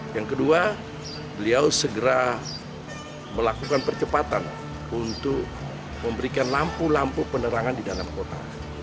yang kedua beliau segera melakukan percepatan untuk memberikan lampu lampu penerangan di dalam kota